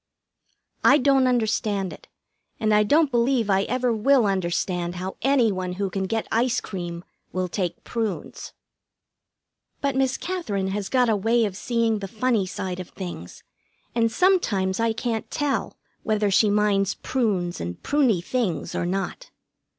I don't understand it, and I don't believe I ever will understand how any one who can get ice cream will take prunes. But Miss Katherine has got a way of seeing the funny side of things, and sometimes I can't tell whether she minds prunes and pruny things or not.